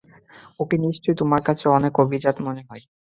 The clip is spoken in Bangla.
ওকে নিশ্চয়ই তোমার কাছে অনেক অভিজাত মনে হয়।